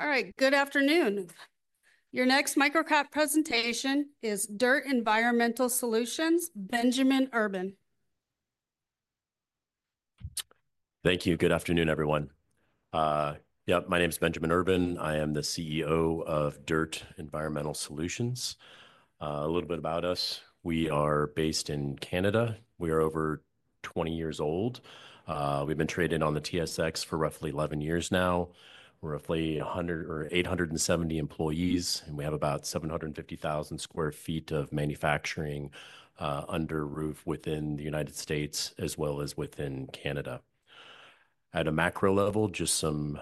All right, good afternoon. Your next microcap presentation is DIRTT Environmental Solutions, Benjamin Urban. Thank you. Good afternoon, everyone. Yep, my name is Benjamin Urban. I am the CEO of DIRTT Environmental Solutions. A little bit about us: we are based in Canada. We are over 20 years old. We've been traded on the TSX for roughly 11 years now. We're roughly 870 employees, and we have about 750,000 sq ft of manufacturing under roof within the United States, as well as within Canada. At a macro level, just some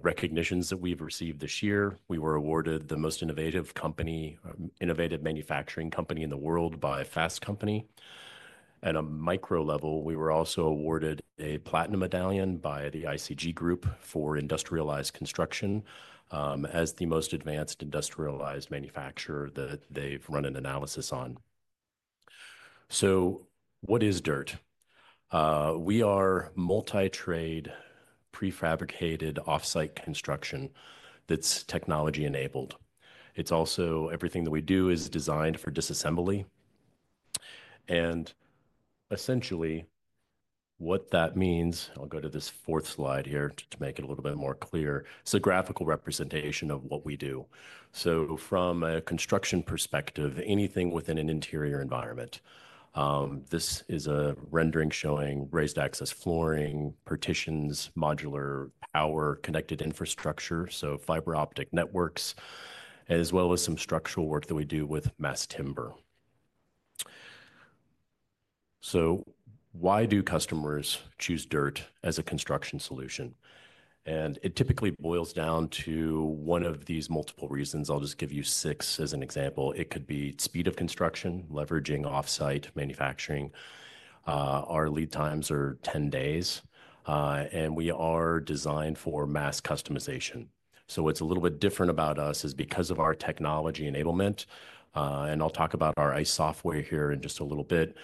recognitions that we've received this year. We were awarded the most innovative manufacturing company in the world by Fast Company. At a micro level, we were also awarded a Platinum Medallion by the ICG Group for industrialized construction as the most advanced industrialized manufacturer that they've run an analysis on. What is DIRTT? We are multi-trade, prefabricated off-site construction that's technology-enabled. It's also everything that we do is designed for disassembly. Essentially, what that means—I'll go to this fourth slide here to make it a little bit more clear—it is a graphical representation of what we do. From a construction perspective, anything within an interior environment. This is a rendering showing raised access flooring, partitions, modular power connected infrastructure, so fiber optic networks, as well as some structural work that we do with mass timber. Why do customers choose DIRTT as a construction solution? It typically boils down to one of these multiple reasons. I'll just give you six as an example. It could be speed of construction, leveraging off-site manufacturing. Our lead times are 10 days, and we are designed for mass customization. What is a little bit different about us is because of our technology enablement, and I'll talk about our ICE software here in just a little bit.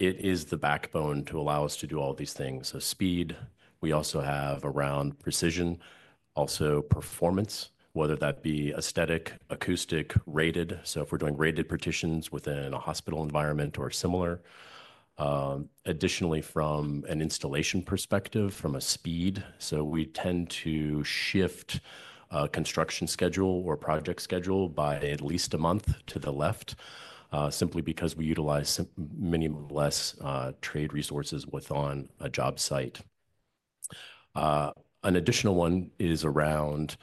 It is the backbone to allow us to do all these things: speed. We also have around precision, also performance, whether that be aesthetic, acoustic, rated. If we're doing rated partitions within a hospital environment or similar. Additionally, from an installation perspective, from a speed, we tend to shift construction schedule or project schedule by at least a month to the left, simply because we utilize many less trade resources with on a job site. An additional one is around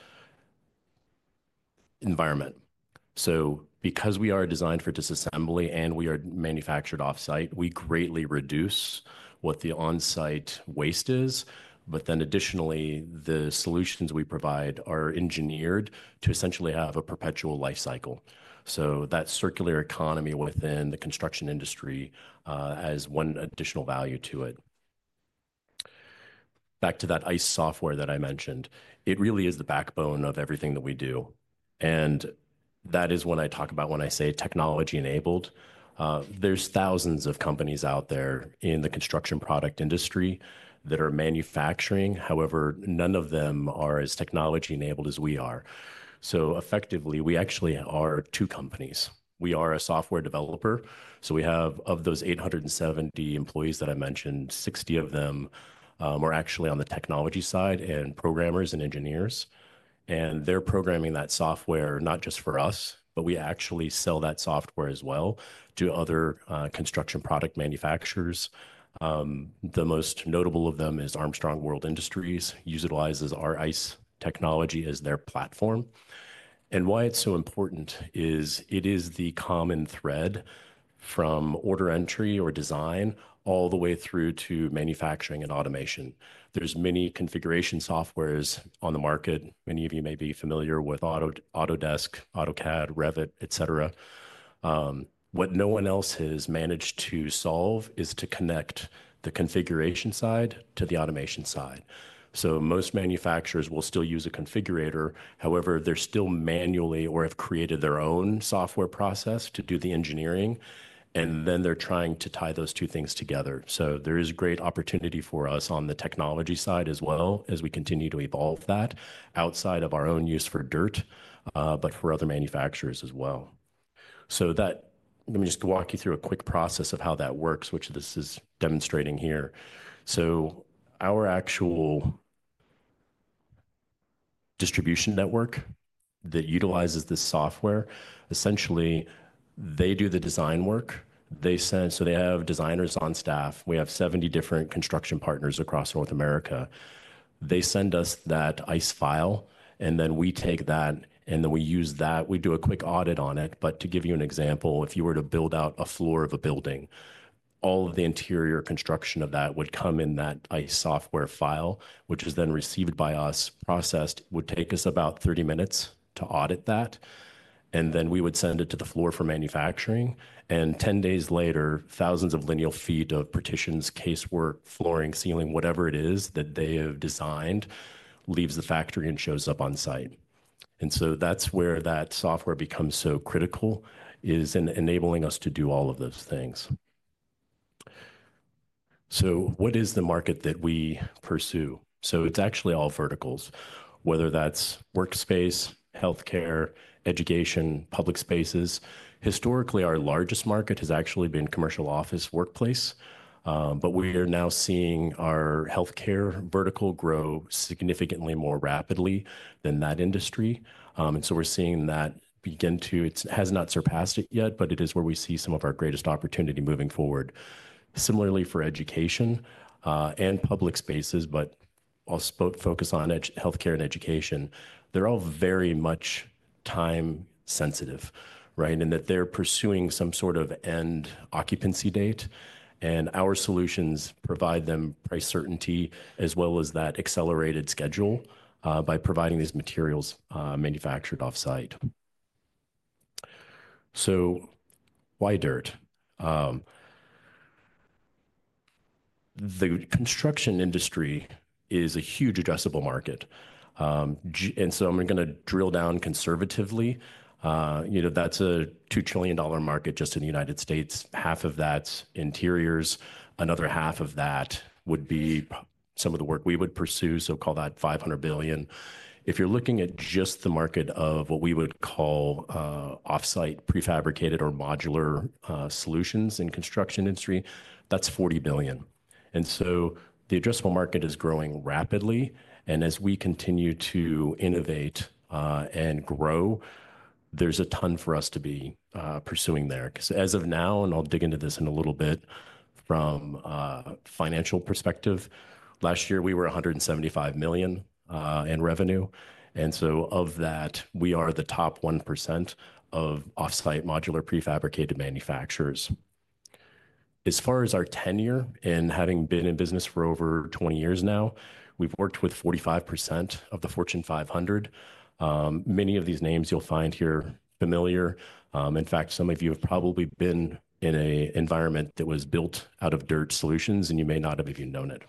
environment. Because we are designed for disassembly and we are manufactured off-site, we greatly reduce what the on-site waste is. Additionally, the solutions we provide are engineered to essentially have a perpetual life cycle. That circular economy within the construction industry has one additional value to it. Back to that ICE software that I mentioned, it really is the backbone of everything that we do. That is when I talk about when I say technology-enabled. There are thousands of companies out there in the construction product industry that are manufacturing. However, none of them are as technology-enabled as we are. Effectively, we actually are two companies. We are a software developer. Of those 870 employees that I mentioned, 60 of them are actually on the technology side and programmers and engineers. They are programming that software not just for us, but we actually sell that software as well to other construction product manufacturers. The most notable of them is Armstrong World Industries, utilizes our ICE technology as their platform. Why it is so important is it is the common thread from order entry or design all the way through to manufacturing and automation. are many configuration softwares on the market. Many of you may be familiar with Autodesk, AutoCAD, Revit, etc. What no one else has managed to solve is to connect the configuration side to the automation side. Most manufacturers will still use a configurator. However, they are still manually or have created their own software process to do the engineering, and then they are trying to tie those two things together. There is great opportunity for us on the technology side as well as we continue to evolve that outside of our own use for DIRTT, but for other manufacturers as well. Let me just walk you through a quick process of how that works, which this is demonstrating here. Our actual distribution network that utilizes this software, essentially, they do the design work. They have designers on staff. We have 70 different construction partners across North America. They send us that ICE file, and then we take that, and then we use that. We do a quick audit on it. To give you an example, if you were to build out a floor of a building, all of the interior construction of that would come in that ICE software file, which is then received by us, processed, would take us about 30 minutes to audit that. We would send it to the floor for manufacturing. Ten days later, thousands of lineal ft of partitions, casework, flooring, ceiling, whatever it is that they have designed, leaves the factory and shows up on site. That is where that software becomes so critical, is in enabling us to do all of those things. What is the market that we pursue? It is actually all verticals, whether that is workspace, healthcare, education, public spaces. Historically, our largest market has actually been commercial office workplace. We are now seeing our healthcare vertical grow significantly more rapidly than that industry. We are seeing that begin to—it has not surpassed it yet, but it is where we see some of our greatest opportunity moving forward. Similarly, for education and public spaces, but I'll focus on healthcare and education. They are all very much time-sensitive, right? In that they are pursuing some sort of end occupancy date. Our solutions provide them price certainty as well as that accelerated schedule by providing these materials manufactured off-site. Why DIRTT? The construction industry is a huge addressable market. I am going to drill down conservatively. That is a $2 trillion market just in the United States. Half of that is interiors. Another half of that would be some of the work we would pursue, so call that $500 billion. If you're looking at just the market of what we would call off-site prefabricated or modular solutions in the construction industry, that's $40 billion. The addressable market is growing rapidly. As we continue to innovate and grow, there's a ton for us to be pursuing there. As of now, and I'll dig into this in a little bit from a financial perspective, last year we were $175 million in revenue. Of that, we are the top 1% of off-site modular prefabricated manufacturers. As far as our tenure and having been in business for over 20 years now, we've worked with 45% of the Fortune 500. Many of these names you'll find here familiar. In fact, some of you have probably been in an environment that was built out of DIRTT Solutions, and you may not have even known it.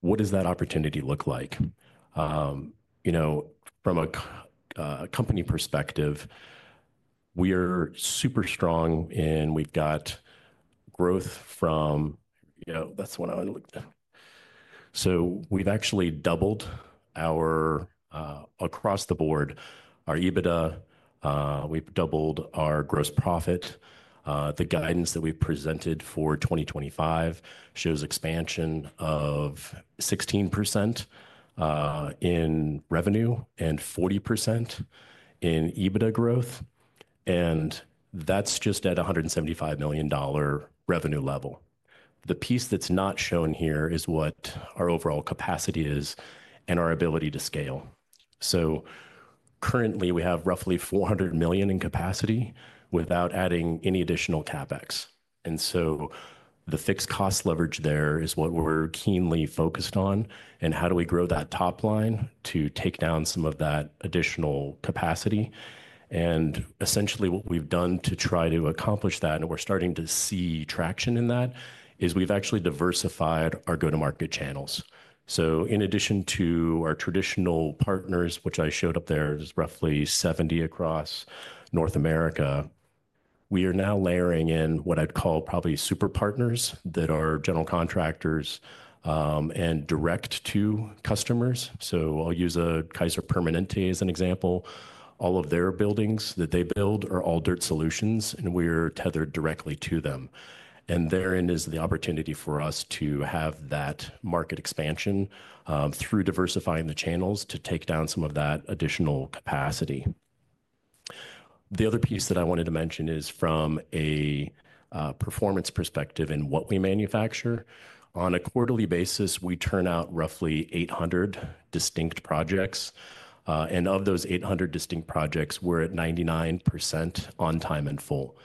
What does that opportunity look like? From a company perspective, we are super strong and we've got growth from—that's the one I want to look at. We have actually doubled our—across the board, our EBITDA. We have doubled our gross profit. The guidance that we have presented for 2025 shows expansion of 16% in revenue and 40% in EBITDA growth. That is just at a $175 million revenue level. The piece that is not shown here is what our overall capacity is and our ability to scale. Currently, we have roughly $400 million in capacity without adding any additional CapEx. The fixed cost leverage there is what we are keenly focused on. How do we grow that top line to take down some of that additional capacity? Essentially, what we've done to try to accomplish that, and we're starting to see traction in that, is we've actually diversified our go-to-market channels. In addition to our traditional partners, which I showed up there, there's roughly 70 across North America, we are now layering in what I'd call probably super partners that are general contractors and direct to customers. I'll use a Kaiser Permanente as an example. All of their buildings that they build are all DIRTT Solutions, and we're tethered directly to them. Therein is the opportunity for us to have that market expansion through diversifying the channels to take down some of that additional capacity. The other piece that I wanted to mention is from a performance perspective in what we manufacture. On a quarterly basis, we turn out roughly 800 distinct projects. Of those 800 distinct projects, we're at 99% on time and full,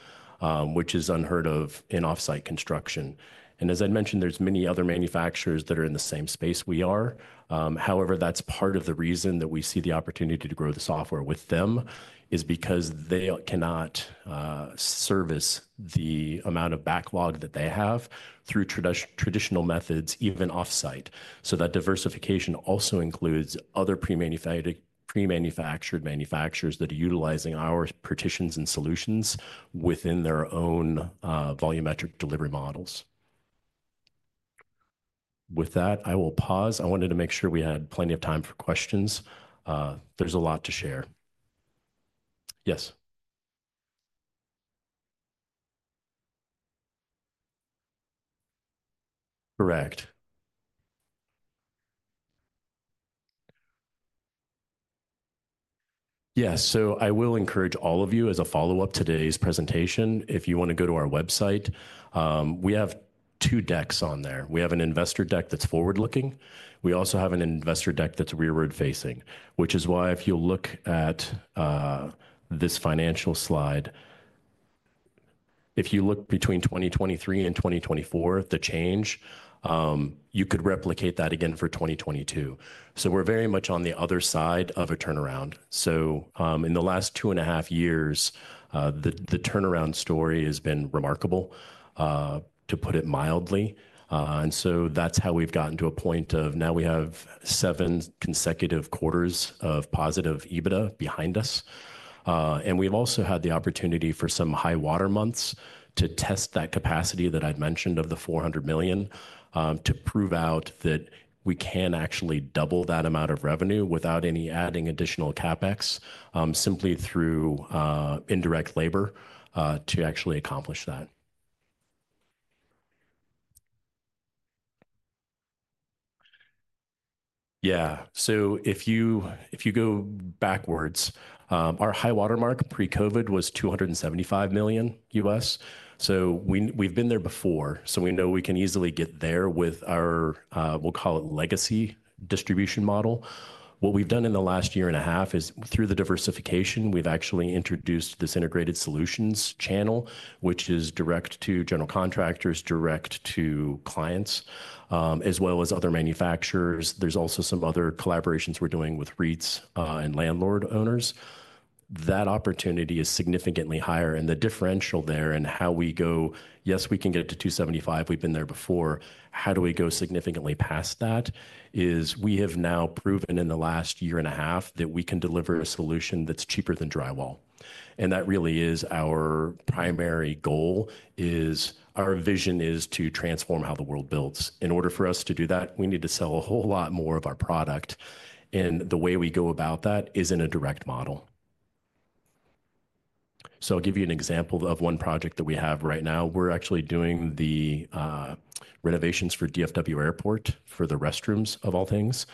which is unheard of in off-site construction. As I mentioned, there are many other manufacturers that are in the same space we are. However, that's part of the reason that we see the opportunity to grow the software with them is because they cannot service the amount of backlog that they have through traditional methods, even off-site. That diversification also includes other pre-manufactured manufacturers that are utilizing our partitions and solutions within their own volumetric delivery models. With that, I will pause. I wanted to make sure we had plenty of time for questions. There's a lot to share. Yes. Correct. Yes. I will encourage all of you as a follow-up to today's presentation, if you want to go to our website, we have two decks on there. We have an investor deck that's forward-looking. We also have an investor deck that's rearward-facing, which is why if you'll look at this financial slide, if you look between 2023 and 2024, the change, you could replicate that again for 2022. We are very much on the other side of a turnaround. In the last two and a half years, the turnaround story has been remarkable, to put it mildly. That is how we've gotten to a point of now we have seven consecutive quarters of positive EBITDA behind us. We have also had the opportunity for some high-water months to test that capacity that I mentioned of the $400 million to prove out that we can actually double that amount of revenue without any adding additional CapEx, simply through indirect labor to actually accomplish that. If you go backwards, our high-water mark pre-COVID was $275 million US. We have been there before. We know we can easily get there with our, we'll call it legacy distribution model. What we've done in the last year and a half is through the diversification, we've actually introduced this Integrated Solutions channel, which is direct to general contractors, direct to clients, as well as other manufacturers. There's also some other collaborations we're doing with REITs and landlord owners. That opportunity is significantly higher. The differential there in how we go, yes, we can get it to $275 million, we've been there before. How do we go significantly past that is we have now proven in the last year and a half that we can deliver a solution that's cheaper than drywall. That really is our primary goal, as our vision is to transform how the world builds. In order for us to do that, we need to sell a whole lot more of our product. The way we go about that is in a direct model. I'll give you an example of one project that we have right now. We're actually doing the renovations for DFW Airport for the restrooms, of all things.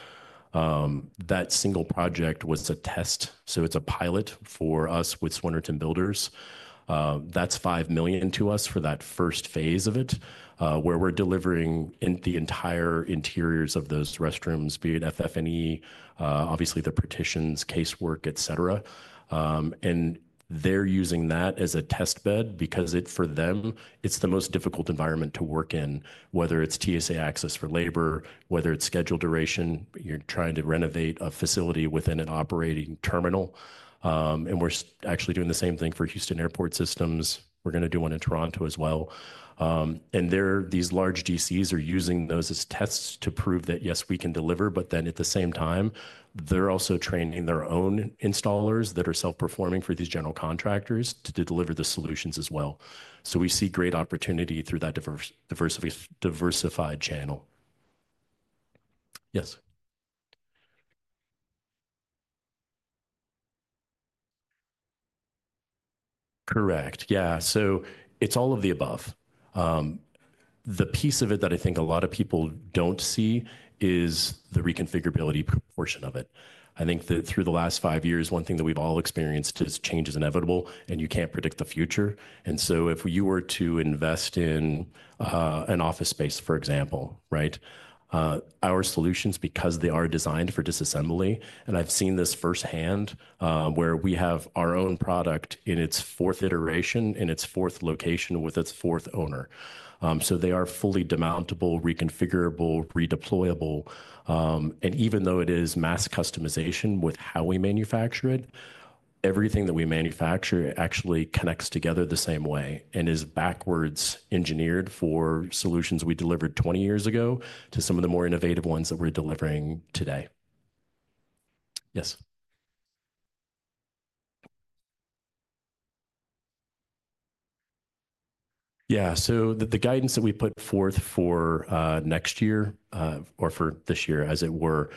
That single project was a test. It's a pilot for us with Swinnerton Builders. That's $5 million to us for that first phase of it, where we're delivering the entire interiors of those restrooms, be it FF&E, obviously the partitions, casework, etc. They're using that as a testbed because for them, it's the most difficult environment to work in, whether it's TSA access for labor, whether it's schedule duration, you're trying to renovate a facility within an operating terminal. We're actually doing the same thing for Houston Airport Systems. We're going to do one in Toronto as well. These large DCs are using those as tests to prove that, yes, we can deliver, but at the same time, they're also training their own installers that are self-performing for these general contractors to deliver the solutions as well. We see great opportunity through that diversified channel. Yes. Correct. Yeah. It's all of the above. The piece of it that I think a lot of people don't see is the reconfigurability portion of it. I think that through the last five years, one thing that we've all experienced is change is inevitable and you can't predict the future. If you were to invest in an office space, for example, right? Our solutions, because they are designed for disassembly, and I've seen this firsthand, where we have our own product in its fourth iteration, in its fourth location with its fourth owner. They are fully demountable, reconfigurable, redeployable. Even though it is mass customization with how we manufacture it, everything that we manufacture actually connects together the same way and is backwards engineered for solutions we delivered 20 years ago to some of the more innovative ones that we're delivering today. Yes. The guidance that we put forth for next year or for this year, as it were,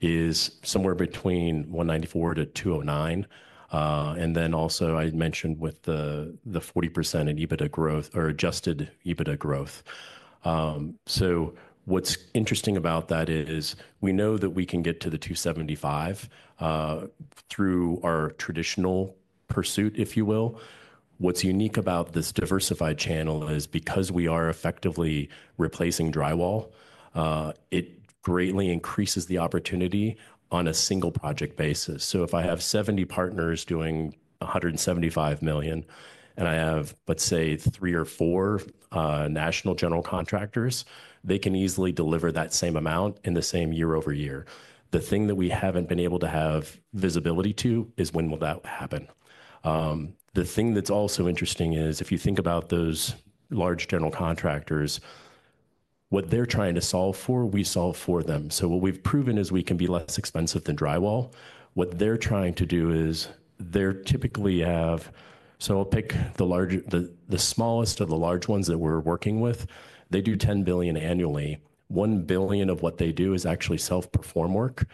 is somewhere between $194 million-$209 million. I mentioned with the 40% in EBITDA growth or adjusted EBITDA growth. What is interesting about that is we know that we can get to the $275 million through our traditional pursuit, if you will. What's unique about this diversified channel is because we are effectively replacing drywall, it greatly increases the opportunity on a single project basis. If I have 70 partners doing $175 million and I have, let's say, three or four national general contractors, they can easily deliver that same amount in the same year-over-year. The thing that we haven't been able to have visibility to is when will that happen. The thing that's also interesting is if you think about those large general contractors, what they're trying to solve for, we solve for them. What we've proven is we can be less expensive than drywall. What they're trying to do is they typically have, so I'll pick the smallest of the large ones that we're working with. They do $10 billion annually. $1 billion of what they do is actually self-perform work.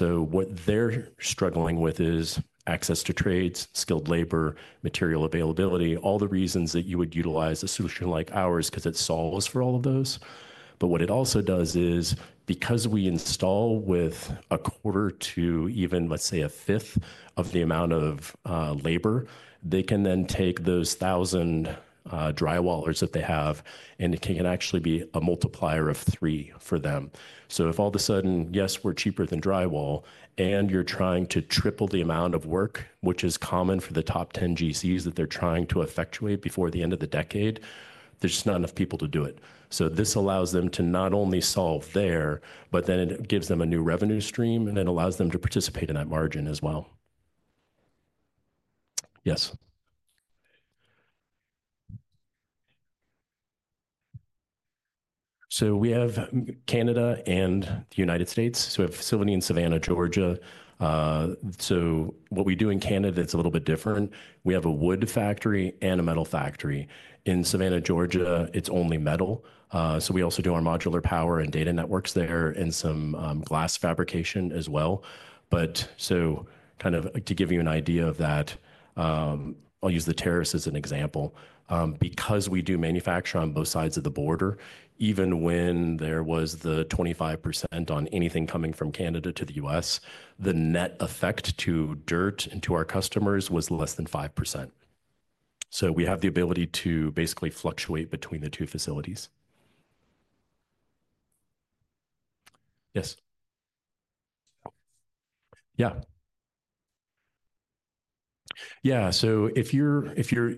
What they're struggling with is access to trades, skilled labor, material availability, all the reasons that you would utilize a solution like ours because it solves for all of those. What it also does is because we install with a quarter to even, let's say, a fifth of the amount of labor, they can then take those 1,000 drywallers that they have, and it can actually be a multiplier of three for them. If all of a sudden, yes, we're cheaper than drywall, and you're trying to triple the amount of work, which is common for the top 10 GCs that they're trying to effectuate before the end of the decade, there's just not enough people to do it. This allows them to not only solve there, but then it gives them a new revenue stream and it allows them to participate in that margin as well. Yes. We have Canada and the United States. We have Savannah in Savannah, Georgia. What we do in Canada, it's a little bit different. We have a wood factory and a metal factory. In Savannah, Georgia, it's only metal. We also do our modular power and data networks there and some glass fabrication as well. Kind of to give you an idea of that, I'll use the tariffs as an example. Because we do manufacture on both sides of the border, even when there was the 25% on anything coming from Canada to the U.S., the net effect to DIRTT and to our customers was less than 5%. We have the ability to basically fluctuate between the two facilities. Yes. Yeah. Yeah. If you're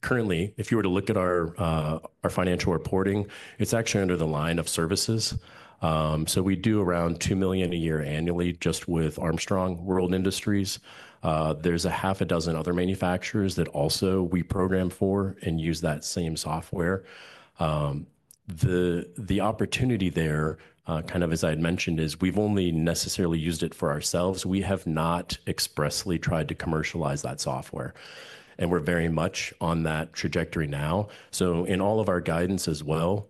currently, if you were to look at our financial reporting, it's actually under the line of services. We do around $2 million a year annually just with Armstrong World Industries. There's half a dozen other manufacturers that also we program for and use that same software. The opportunity there, kind of as I had mentioned, is we've only necessarily used it for ourselves. We have not expressly tried to commercialize that software. We're very much on that trajectory now. In all of our guidance as well,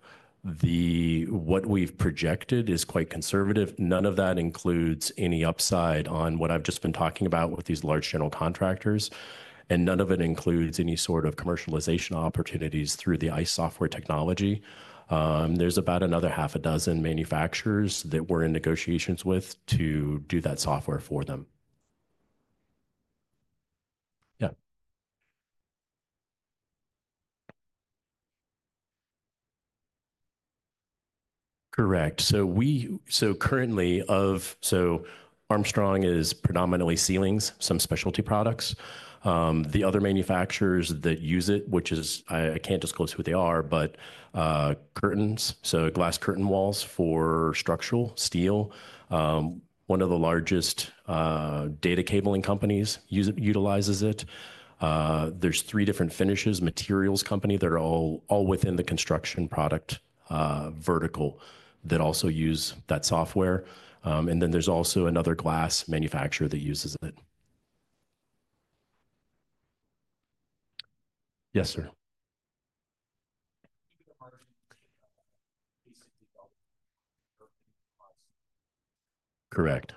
what we've projected is quite conservative. None of that includes any upside on what I've just been talking about with these large general contractors. None of it includes any sort of commercialization opportunities through the ICE software technology. There's about another half a dozen manufacturers that we're in negotiations with to do that software for them. Yeah. Correct. Currently, Armstrong is predominantly ceilings, some specialty products. The other manufacturers that use it, which I can't disclose who they are, but curtains, so glass curtain walls for structural steel. One of the largest data cabling companies utilizes it. There's three different finishes, materials companies that are all within the construction product vertical that also use that software. There's also another glass manufacturer that uses it. Yes, sir. Correct.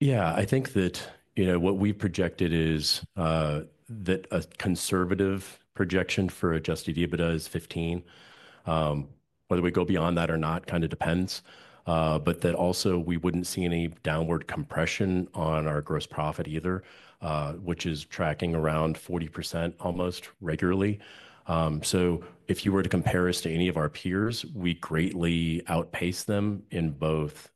Yeah. I think that what we projected is that a conservative projection for adjusted EBITDA is 15. Whether we go beyond that or not kind of depends. That also we wouldn't see any downward compression on our gross profit either, which is tracking around 40% almost regularly. If you were to compare us to any of our peers, we greatly outpace them in both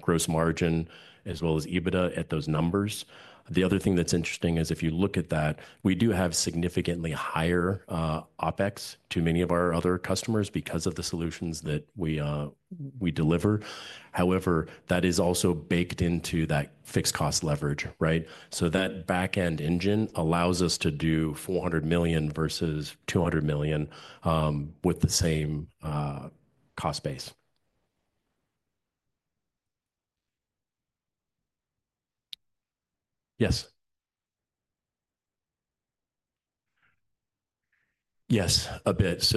gross margin as well as EBITDA at those numbers. The other thing that's interesting is if you look at that, we do have significantly higher OpEx to many of our other customers because of the solutions that we deliver. However, that is also baked into that fixed cost leverage, right? That back-end engine allows us to do $400 million versus $200 million with the same cost base. Yes. Yes, a bit.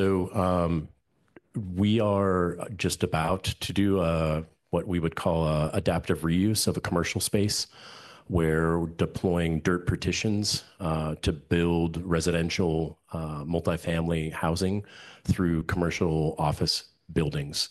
We are just about to do what we would call adaptive reuse of a commercial space where we're deploying DIRTT partitions to build residential multifamily housing through commercial office buildings,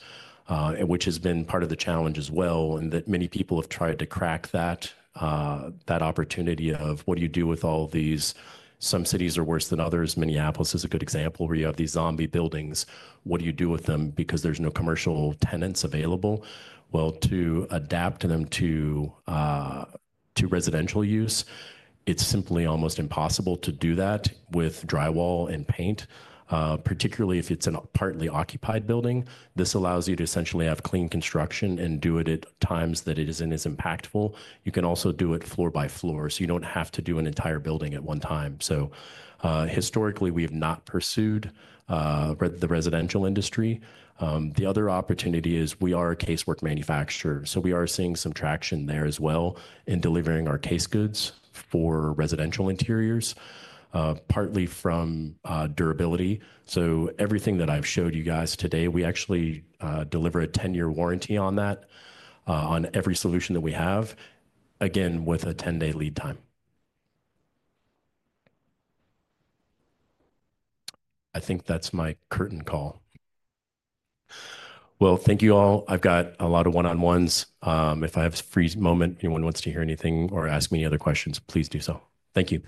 which has been part of the challenge as well and that many people have tried to crack that opportunity of what do you do with all of these? Some cities are worse than others. Minneapolis is a good example where you have these zombie buildings. What do you do with them because there's no commercial tenants available? To adapt them to residential use, it's simply almost impossible to do that with drywall and paint, particularly if it's a partly occupied building. This allows you to essentially have clean construction and do it at times that it isn't as impactful. You can also do it floor by floor. You don't have to do an entire building at one time. Historically, we have not pursued the residential industry. The other opportunity is we are a casework manufacturer. We are seeing some traction there as well in delivering our case goods for residential interiors, partly from durability. Everything that I've showed you guys today, we actually deliver a 10-year warranty on that on every solution that we have, again, with a 10-day lead time. I think that's my curtain call. Thank you all. I've got a lot of one-on-ones. If I have a freeze moment, anyone wants to hear anything or ask me any other questions, please do so. Thank you.